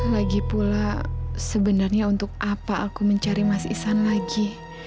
lagipula sebenarnya untuk apa aku mencari mas ihsan lagi